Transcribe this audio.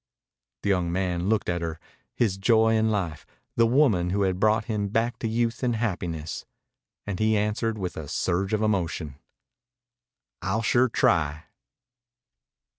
The young man looked at her, his Joy in life, the woman who had brought him back to youth and happiness, and he answered with a surge of emotion: "I'll sure try."